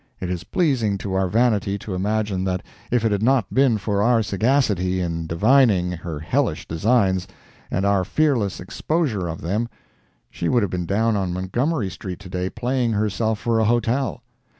It is pleasing to our vanity to imagine that if it had not been for our sagacity in divining her hellish designs, and our fearless exposure of them, she would have been down on Montgomery street to day, playing herself for a hotel.